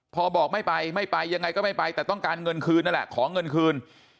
พอบอกไม่ไปไม่ไปยังไงก็ไม่ไปแต่ต้องการเงินคืนนั่นแหละขอเงินคืน